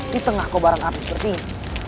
di tengah kobaran api seperti ini